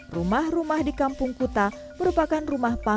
rumah rumah di kampung kuta merupakan rumah panggung